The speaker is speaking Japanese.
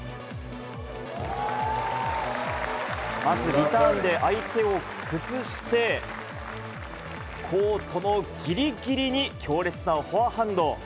まずリターンで相手を崩して、コートのぎりぎりに強烈なフォアハンド。